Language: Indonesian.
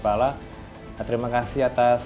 fala terima kasih atas